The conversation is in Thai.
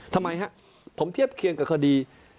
ทำไมครับผมเทียบเคียงกับคดี